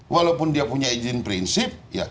walaupun dia punya izin prinsip